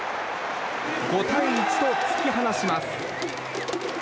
５対１と突き放します。